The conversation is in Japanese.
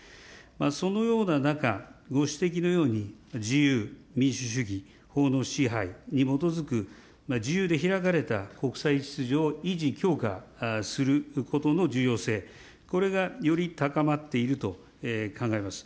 そのような中、ご指摘のように、自由、民主主義、法の支配に基づく自由で開かれた国際秩序を維持、強化することの重要性、これがより高まっていると考えます。